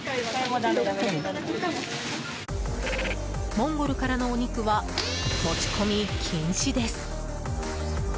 モンゴルからのお肉は持ち込み禁止です。